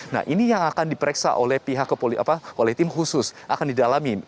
nah ini yang akan diperiksa oleh tim khusus akan didalami